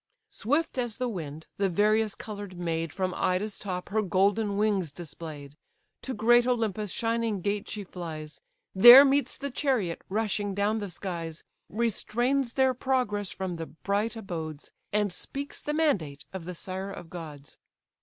Swift as the wind, the various colour'd maid From Ida's top her golden wings display'd; To great Olympus' shining gate she flies, There meets the chariot rushing down the skies, Restrains their progress from the bright abodes, And speaks the mandate of the sire of gods.